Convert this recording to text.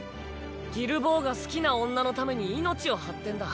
ギル坊が好きな女のために命を張ってんだ。